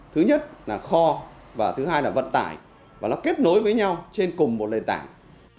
thứ nhất là kho và thứ hai là vận tải và nó kết nối với nhau trên cùng một lề tảng